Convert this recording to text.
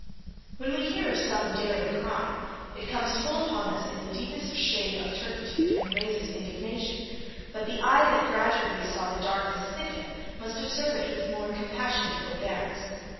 When we hear of some daring crime it comes full upon us in the deepest shade of turpitude, and raises indignation; but the eye that gradually saw the darkness thicken, must observe it with more compassionate forbearance.